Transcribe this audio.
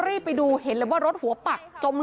ได้ยินเสียงเบรกเสียงไรไหม